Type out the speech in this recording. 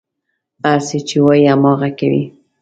هر څه چې وايي، هماغه کوي.